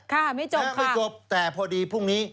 ค่ะไม่จบค่ะแต่พอดีพรุ่งนี้